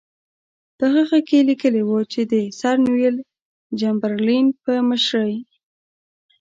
په هغه کې یې لیکلي وو چې د سر نیویل چمبرلین په مشرۍ.